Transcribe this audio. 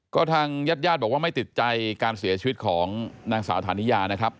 ก็ทางญาติญาติบอกว่าไม่ติดใจการเสียชีวิตของนางสาวธานิยานะครับ